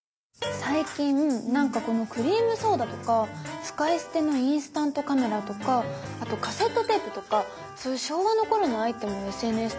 最近なんかこのクリームソーダとか使い捨てのインスタントカメラとかあとカセットテープとかそういう昭和の頃のアイテムをＳＮＳでよく見かけない？